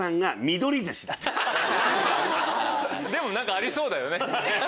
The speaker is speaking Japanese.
でもありそうだよね。